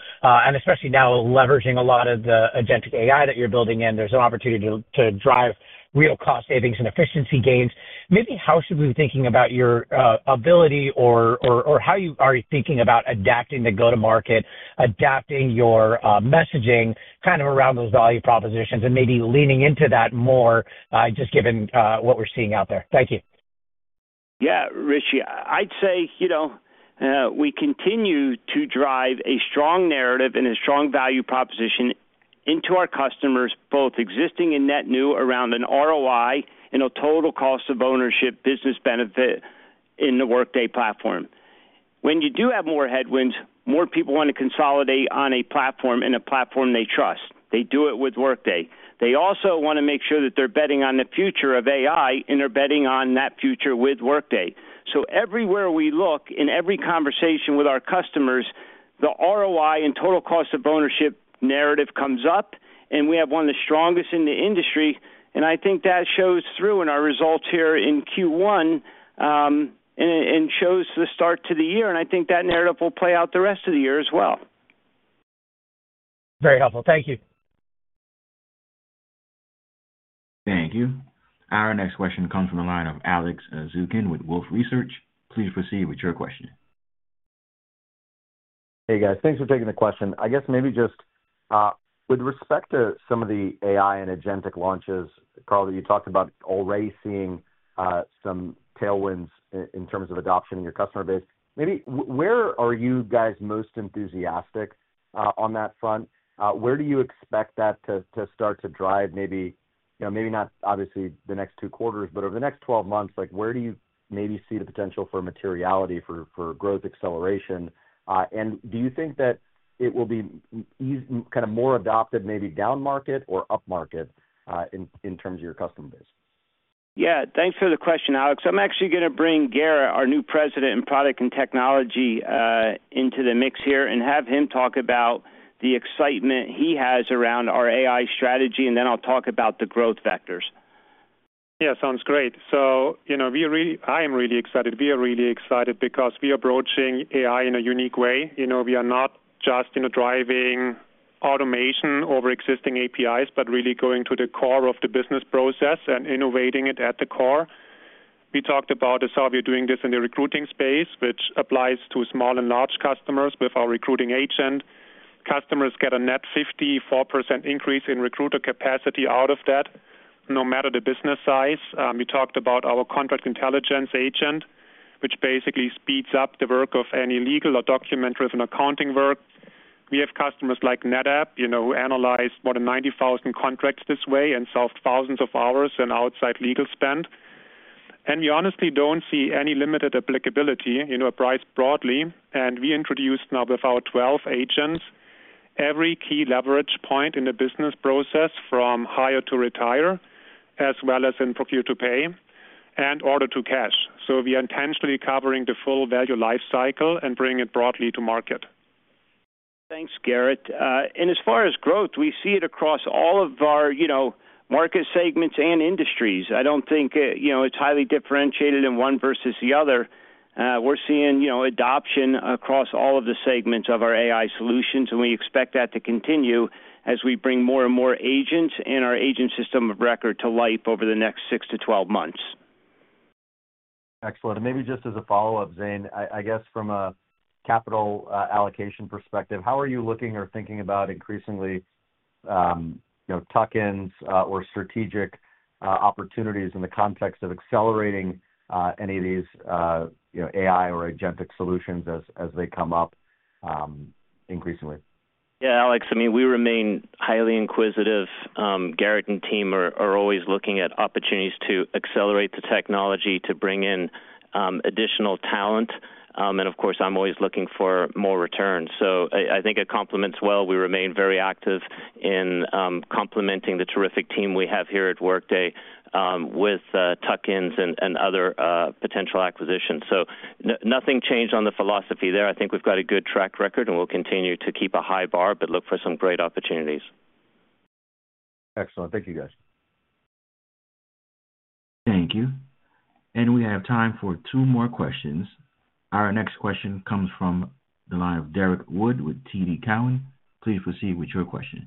Especially now leveraging a lot of the agentic AI that you're building in, there's an opportunity to drive real cost savings and efficiency gains. Maybe how should we be thinking about your ability or how you are thinking about adapting to go to market, adapting your messaging kind of around those value propositions and maybe leaning into that more just given what we're seeing out there? Thank you. Yeah, Rishi. I'd say we continue to drive a strong narrative and a strong value proposition into our customers, both existing and net new, around an ROI and a total cost of ownership business benefit in the Workday platform. When you do have more headwinds, more people want to consolidate on a platform and a platform they trust. They do it with Workday. They also want to make sure that they're betting on the future of AI and they're betting on that future with Workday. Everywhere we look in every conversation with our customers, the ROI and total cost of ownership narrative comes up, and we have one of the strongest in the industry. I think that shows through in our results here in Q1 and shows the start to the year. I think that narrative will play out the rest of the year as well. Very helpful. Thank you. Thank you. Our next question comes from the line of Alex Zukin with Wolfe Research. Please proceed with your question. Hey, guys. Thanks for taking the question. I guess maybe just with respect to some of the AI and agentic launches, Carl, that you talked about already seeing some tailwinds in terms of adoption in your customer base. Maybe where are you guys most enthusiastic on that front? Where do you expect that to start to drive maybe not obviously the next two quarters, but over the next 12 months? Where do you maybe see the potential for materiality for growth acceleration? And do you think that it will be kind of more adopted maybe down market or up market in terms of your customer base? Yeah. Thanks for the question, Alex. I'm actually going to bring Gerrit, our new President in Product and Technology, into the mix here and have him talk about the excitement he has around our AI strategy. Then I'll talk about the growth vectors. Yeah. Sounds great. I am really excited. We are really excited because we are broaching AI in a unique way. We are not just driving automation over existing APIs, but really going to the core of the business process and innovating it at the core. We talked about how we're doing this in the recruiting space, which applies to small and large customers with our Recruiting Agent. Customers get a net 54% increase in recruiter capacity out of that, no matter the business size. We talked about our Contract Intelligence Agent, which basically speeds up the work of any legal or document-driven accounting work. We have customers like NetApp who analyzed more than 90,000 contracts this way and solved thousands of hours in outside legal spend. We honestly do not see any limited applicability in our price broadly. We introduced now with our 12 agents every key leverage point in the business process from hire to retire, as well as in procure to pay and order to cash. We are intentionally covering the full value lifecycle and bringing it broadly to market. Thanks, Gerrit. As far as growth, we see it across all of our market segments and industries. I do not think it is highly differentiated in one versus the other. We are seeing adoption across all of the segments of our AI solutions, and we expect that to continue as we bring more and more agents and our agent system of record to life over the next 6-12 months. Excellent. Maybe just as a follow-up, Zane, I guess from a capital allocation perspective, how are you looking or thinking about increasingly tuck-ins or strategic opportunities in the context of accelerating any of these AI or agentic solutions as they come up increasingly? Yeah, Alex, I mean, we remain highly inquisitive. Gerrit and team are always looking at opportunities to accelerate the technology to bring in additional talent. Of course, I'm always looking for more returns. I think it complements well. We remain very active in complementing the terrific team we have here at Workday with tuck-ins and other potential acquisitions. Nothing changed on the philosophy there. I think we've got a good track record, and we'll continue to keep a high bar, but look for some great opportunities. Excellent. Thank you, guys. Thank you. We have time for two more questions. Our next question comes from the line of Derrick Wood with TD Cowen. Please proceed with your question.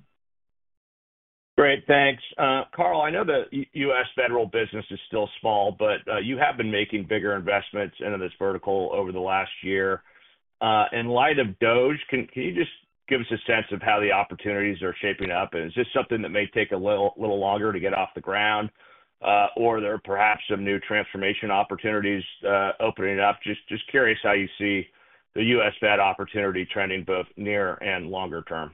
Great. Thanks. Carl, I know that U.S. federal business is still small, but you have been making bigger investments into this vertical over the last year. In light of DOGE, can you just give us a sense of how the opportunities are shaping up? Is this something that may take a little longer to get off the ground, or are there perhaps some new transformation opportunities opening up? Just curious how you see the U.S. Fed opportunity trending both near and longer term.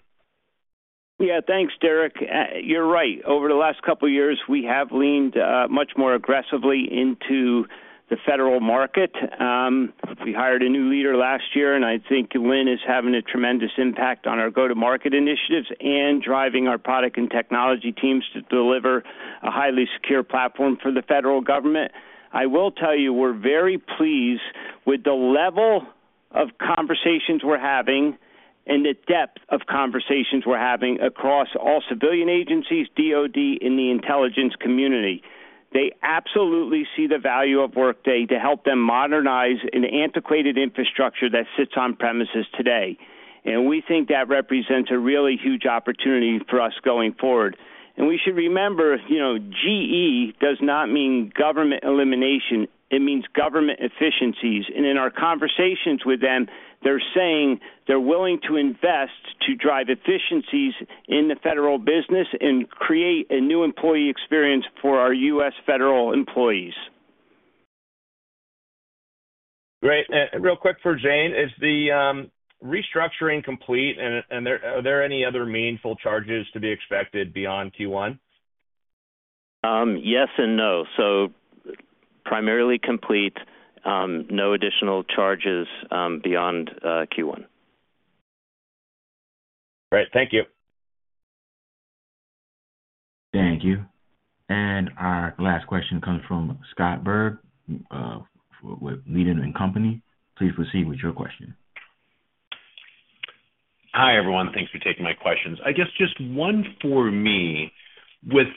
Yeah. Thanks, Derrick. You're right. Over the last couple of years, we have leaned much more aggressively into the federal market. We hired a new leader last year, and I think Lynn is having a tremendous impact on our go-to-market initiatives and driving our product and technology teams to deliver a highly secure platform for the federal government. I will tell you, we're very pleased with the level of conversations we're having and the depth of conversations we're having across all civilian agencies, DOD, and the intelligence community. They absolutely see the value of Workday to help them modernize an antiquated infrastructure that sits on premises today. We think that represents a really huge opportunity for us going forward. We should remember, GE does not mean government elimination. It means government efficiencies. In our conversations with them, they're saying they're willing to invest to drive efficiencies in the federal business and create a new employee experience for our U.S. federal employees. Great. Real quick for Zane, is the restructuring complete? And are there any other meaningful charges to be expected beyond Q1? Yes and no. So primarily complete. No additional charges beyond Q1. Great. Thank you. Thank you. And our last question comes from Scott Berg with Needham & Company. Please proceed with your question. Hi, everyone. Thanks for taking my questions. I guess just one for me. With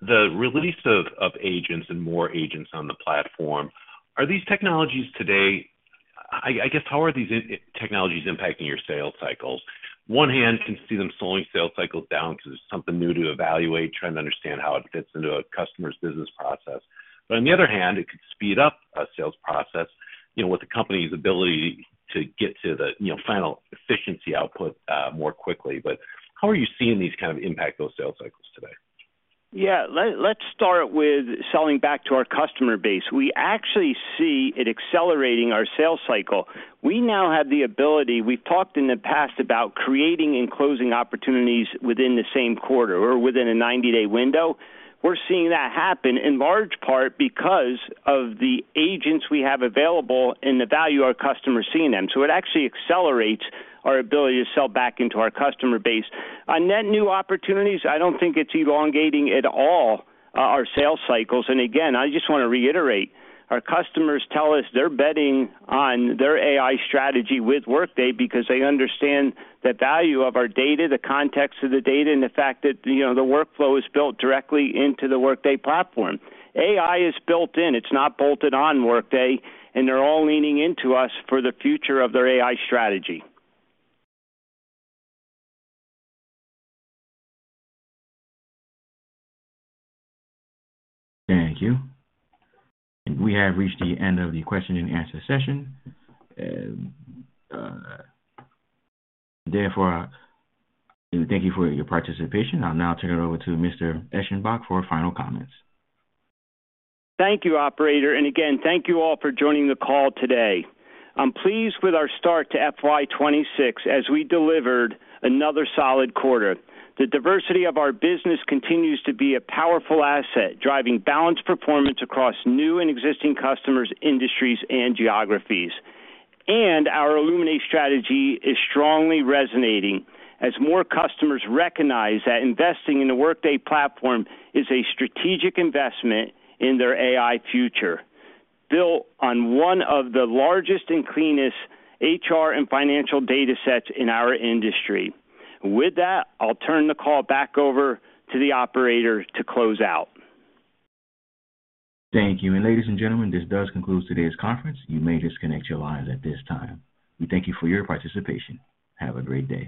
the release of agents and more agents on the platform, are these technologies today I guess, how are these technologies impacting your sales cycles? One hand can see them slowing sales cycles down because it's something new to evaluate, trying to understand how it fits into a customer's business process. But on the other hand, it could speed up a sales process with the company's ability to get to the final efficiency output more quickly. How are you seeing these kind of impact those sales cycles today? Yeah. Let's start with selling back to our customer base. We actually see it accelerating our sales cycle. We now have the ability we've talked in the past about creating and closing opportunities within the same quarter or within a 90-day window. We're seeing that happen in large part because of the agents we have available and the value our customers see in them. It actually accelerates our ability to sell back into our customer base. On net new opportunities, I don't think it's elongating at all our sales cycles. Again, I just want to reiterate, our customers tell us they're betting on their AI strategy with Workday because they understand the value of our data, the context of the data, and the fact that the workflow is built directly into the Workday platform. AI is built in. It's not bolted on Workday, and they're all leaning into us for the future of their AI strategy. Thank you. We have reached the end of the question and answer session. Therefore, thank you for your participation. I'll now turn it over to Mr. Eschenbach for final comments. Thank you, operator. Again, thank you all for joining the call today. I'm pleased with our start to FY 2026 as we delivered another solid quarter. The diversity of our business continues to be a powerful asset driving balanced performance across new and existing customers, industries, and geographies. Our Illuminate strategy is strongly resonating as more customers recognize that investing in the Workday platform is a strategic investment in their AI future built on one of the largest and cleanest HR and financial data sets in our industry. With that, I'll turn the call back over to the operator to close out. Thank you. Ladies and gentlemen, this does conclude today's conference. You may disconnect your lines at this time. We thank you for your participation. Have a great day.